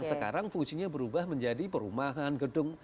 sekarang fungsinya berubah menjadi perumahan gedung